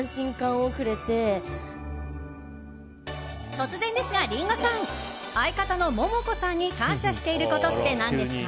突然ですがリンゴさん相方のモモコさんに感謝していることって何ですか？